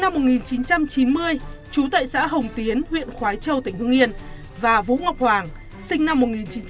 năm một nghìn chín trăm chín mươi trú tại xã hồng tiến huyện khói châu tỉnh hưng yên và vũ ngọc hoàng sinh năm